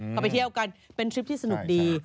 เขาไปเที่ยวกันเป็นทริปที่สนุกดี